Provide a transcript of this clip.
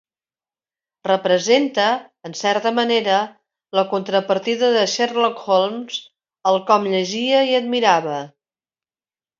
Representa, en certa manera, la contrapartida de Sherlock Holmes, al com llegia i admirava.